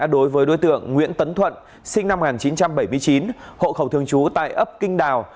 đối với đối tượng nguyễn tấn thuận sinh năm một nghìn chín trăm bảy mươi chín hộ khẩu thường trú tại ấp kinh đào